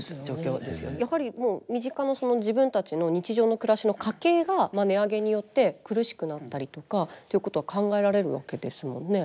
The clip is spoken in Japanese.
やはり身近なその自分たちの日常の暮らしの家計が値上げによって苦しくなったりとかっていうことは考えられるわけですもんね。